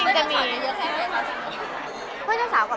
เพื่อว่าเป็นงานเพื่อนจะบอกเจ้าสาว